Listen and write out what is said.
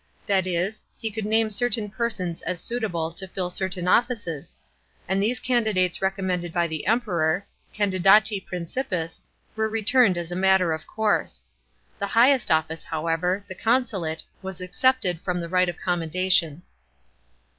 That is, he could name certain persons as suitable to fill certain offices ; and the^e candidates recommended by the R\\i\mw (candidati principis) were * See below. $7 (8>. CHAP. in. LEGISLATION. 85 returned as a matter of course. The highest office, however, the consulate * was excepted from the right of commendation.